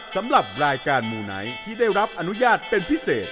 สำหรับรายการมูไนท์ที่ได้รับอนุญาตเป็นพิเศษ